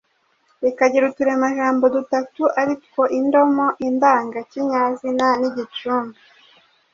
bikagira uturemajambo dutatu ari two indomo, indangakinyazina n’igicumbi.